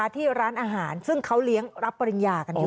ที่ร้านอาหารซึ่งเขาเลี้ยงรับปริญญากันอยู่